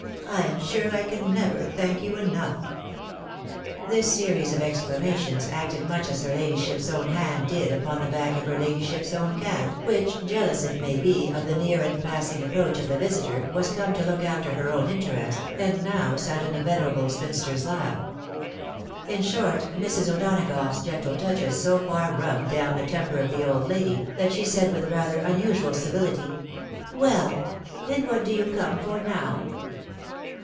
I am sure I can never thank you enough !" This series of exclamations acted much as her ladyship's own hand did upon the back of her ladyship's own cat, wliicli, jealous it may be, of the near and passing approach of the visitor, was come to look after her own interest, and now sat in the venerable spinster's lap. In short, Mrs. O'Douagough's gentle touches so far rubbed down the temper of the old lady, that she said with rather rmusual civility, " Well ! and what do you come for now